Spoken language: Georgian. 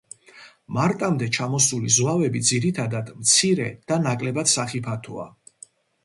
მარტამდე ჩამოსული ზვავები ძირითადად მცირე და ნაკლებად სახიფათოა.